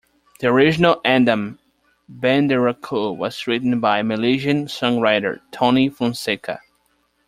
The original anthem "Benderaku" was written by Malaysian songwriter Tony Fonseka.